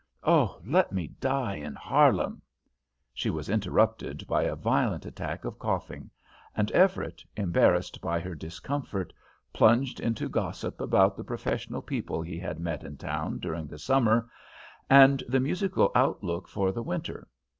Oh, let me die in Harlem!" she was interrupted by a violent attack of coughing, and Everett, embarrassed by her discomfort, plunged into gossip about the professional people he had met in town during the summer, and the musical outlook for the winter.